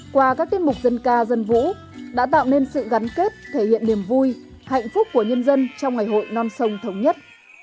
qua các tiết mục dân ca dân vũ đã tạo nên sự gắn kết thể hiện niềm vui hạnh phúc của nhân dân trong ngày hội non sông thống nhất